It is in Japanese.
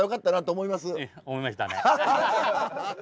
思いましたね。